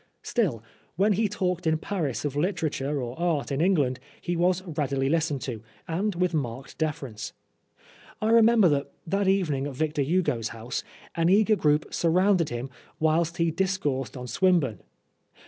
Still, when he talked in Paris of literature or art in England, he was readily listened to, and with marked deference. I remember that, that evening at Victor Hugo's house, an eager group surrounded him whilst he discoursed on Swinburne.